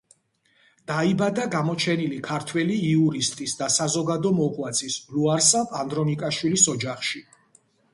დაიბადა გამოჩენილი ქართველი იურისტის და საზოგადო მოღვაწის ლუარსაბ ანდრონიკაშვილის ოჯახში.